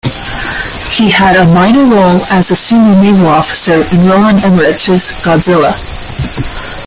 He had a minor role as a senior naval officer in Roland Emmerich's "Godzilla".